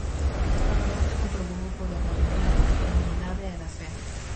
A Costa da Morte comprobou o poder da unidade, da comunidade e da fe.